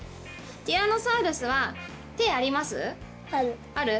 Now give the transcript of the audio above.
ティラノサウルスは手あります？